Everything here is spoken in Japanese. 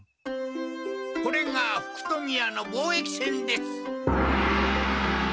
これが福富屋の貿易船です。